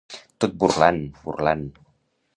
Tot burlant, burlant.